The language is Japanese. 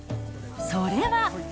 それは。